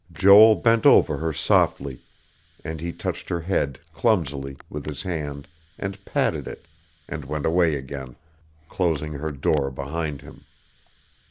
Joel bent over her softly; and he touched her head, clumsily, with his hand, and patted it, and went away again, closing her door behind him.